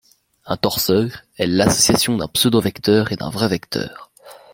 Un torseur est l'association d'un pseudovecteur et d'un vrai vecteur.